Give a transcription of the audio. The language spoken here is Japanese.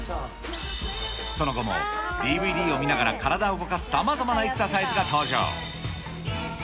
その後もＤＶＤを見ながら体を動かすさまざまなエクササイズが登場。